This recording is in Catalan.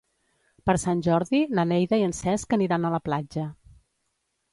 Per Sant Jordi na Neida i en Cesc aniran a la platja.